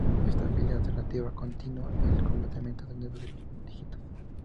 Esta fila alternativa contenía el complemento a nueve de los dígitos.